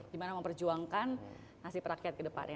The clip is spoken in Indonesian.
gimana memperjuangkan nasib rakyat ke depannya